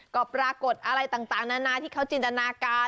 ก็ปรากฏอะไรต่างนานาที่เขาจินตนาการ